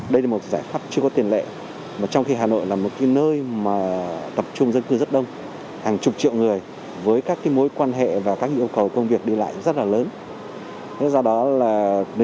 đây là một giải pháp chưa có tiền lệ